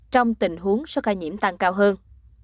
trong tình huống số ca nhiễm tăng cao hơn